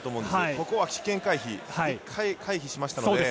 ここは危険回避、一回、回避しましたので。